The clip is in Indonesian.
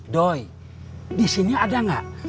doi disini ada gak